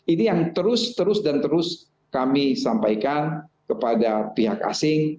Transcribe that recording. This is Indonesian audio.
ini yang terus terus dan terus kami sampaikan kepada pihak asing